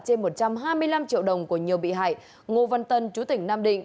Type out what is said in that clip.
trên một trăm hai mươi năm triệu đồng của nhiều bị hại ngô văn tân chú tỉnh nam định